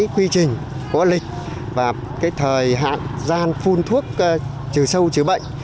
quy trình của lịch và thời hạn gian phun thuốc trừ sâu trừ bệnh